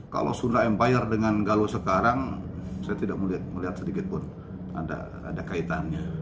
kalau sunda empire dengan galuh sekarang saya tidak melihat sedikit pun ada kaitannya